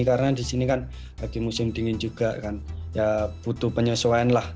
karena di sini kan lagi musim dingin juga kan ya butuh penyesuaian lah